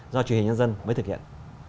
do chủ nhật nhân dân mới thực hiện